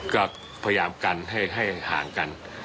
ก็พยายามกันให้ห่างกัน